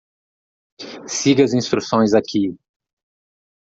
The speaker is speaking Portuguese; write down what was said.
Siga as instruções aqui.